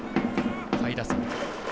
下位打線。